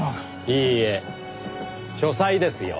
いいえ書斎ですよ。